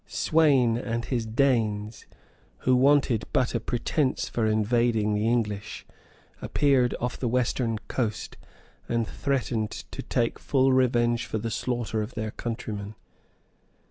Sweyn and his Danes, who wanted but a pretence for invading the English, appeared off the western coast, and threatened to take full revenge for the slaughter of their countrymen.